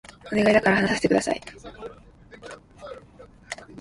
お願いだから話させて下さい